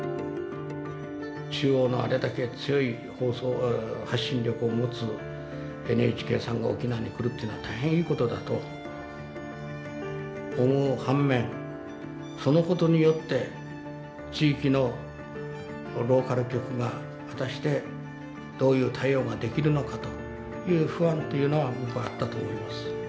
中央のあれだけ強い発信力を持つＮＨＫさんが沖縄に来るっていうのは大変いいことだと思う反面そのことによって地域のローカル局が果たしてどういう対応ができるのかという不安というのは僕はあったと思います。